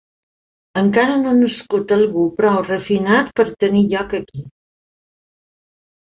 Encara no ha nascut algú prou refinat per tenir lloc aquí.